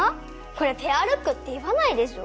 これペアルックって言わないでしょ？